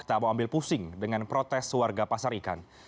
tak mau ambil pusing dengan protes warga pasar ikan